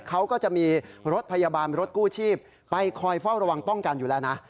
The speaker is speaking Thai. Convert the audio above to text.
เขาก็จะมีรถพยาบาลรถกู้ชีพไปคอยเฝ้าระวังป้องกันอยู่แล้วนะ